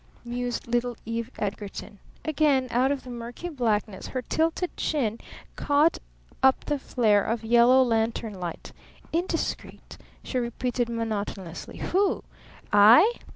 mused little Eve Edgarton. Again out of the murky blackness her tilted chin caught up the flare of yellow lantern light. "Indiscreet?" she repeated monotonously. "Who? I?"